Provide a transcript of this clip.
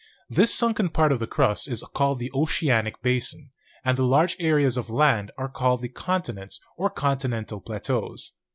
This sunken part of the crust is called the oceanic basin, and the large areas of land are called the continents or con tinental plateaus.